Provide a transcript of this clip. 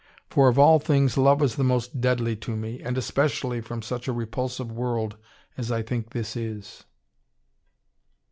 For of all things love is the most deadly to me, and especially from such a repulsive world as I think this is...."